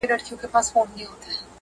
دا عجب کلی دی د بل د کالۀ غم وړی دی